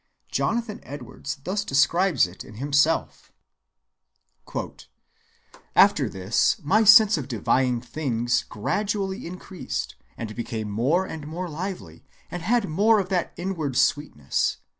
Jonathan Edwards thus describes it in himself:— "After this my sense of divine things gradually increased, and became more and more lively, and had more of that inward sweetness.